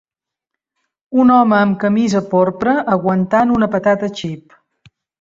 Un home amb camisa porpra aguantant una patata xip.